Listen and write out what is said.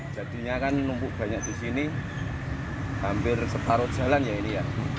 jadinya kan numpuk banyak di sini hampir separuh jalan ya ini ya